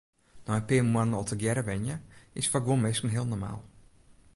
Nei in pear moannen al tegearre wenje is foar guon minsken heel normaal.